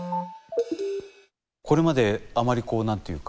これまであまりこう何というか。